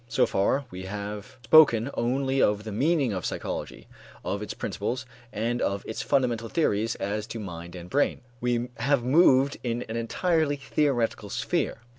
So far we have spoken only of the meaning of psychology, of its principles and of its fundamental theories as to mind and brain. We have moved in an entirely theoretical sphere.